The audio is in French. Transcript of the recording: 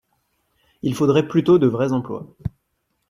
Il faudrait plutôt de vrais emplois